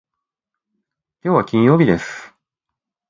きょうは金曜日です。